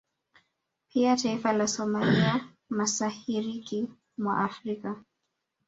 Pia taifa la Somalia masahariki mwa Afrika